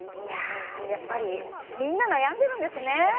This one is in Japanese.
やっぱりみんな悩んでるんですね